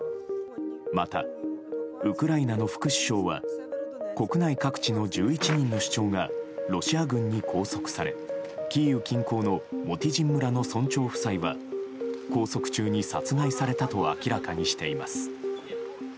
またウクライナの副首相は国内各地の１１人の首長がロシア軍に拘束されキーウ近郊のモティジン村の村長夫妻は拘束中に殺害されたと明らかにしています。